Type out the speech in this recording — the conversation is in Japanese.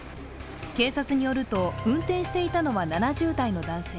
警察によると、運転していたのは７０代の男性。